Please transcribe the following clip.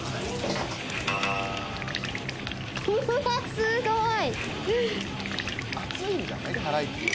すごい！